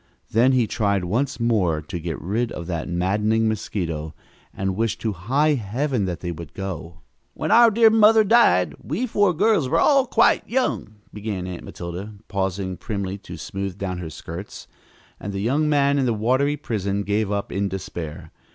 Then he tried once more to get rid of that maddening mosquito and wished to high Heaven that they would go! "When our dear mother died we four girls were all quite young," began Aunt Matilda, pausing primly to smooth down her skirts, and the young man in the watery prison gave up in despair.